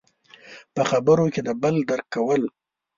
– په خبرو کې د بل درک کول.